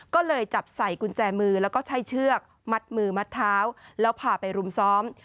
ก็เลยจับใส่กุญแจมือแล้วก็ใช้เชือกมัดมือมัดเท้าแล้วพาไปรุมซ้อม